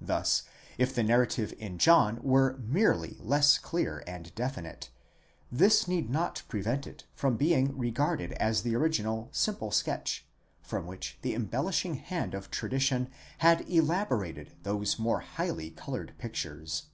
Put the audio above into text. Thus if the narrative in John were merely less clear and definite, this need not prevent it from being re garded as the original, simple sketch, from which the embellishing hand of tradition had elaborated those more highly coloured pictures.